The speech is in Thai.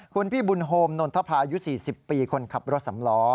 คุณพี่บุญโฮมนนทภายุ๔๐ปีคนขับรถสำล้อ